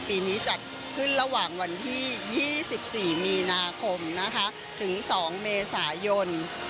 ปีนี้จัดขึ้นระหว่างวันที่๒๔มีนาคมนะคะถึง๒เมษายน